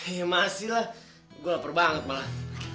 iya masih lah gua lapar banget malah